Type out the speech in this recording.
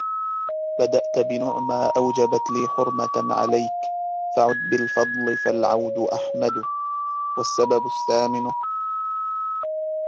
بَدَأْت بِنُعْمَى أَوْجَبَتْ لِي حُرْمَةً عَلَيْك فَعُدْ بِالْفَضْلِ فَالْعَوْدُ أَحْمَدُ وَالسَّبَبُ الثَّامِنُ